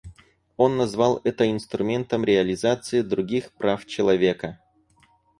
Он назвал это инструментом реализации других прав человека.